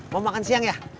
mau makan siang ya